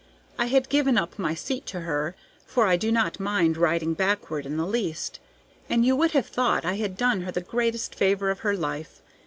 I had given up my seat to her, for I do not mind riding backward in the least, and you would have thought I had done her the greatest favor of her life.